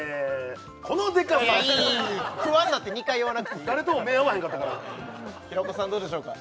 このデカさいやいいいいいいいい不安なって２回言わなくていい誰とも目合わへんかったから平子さんどうでしょうか？